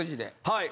はい。